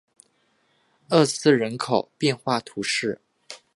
厄斯人口变化图示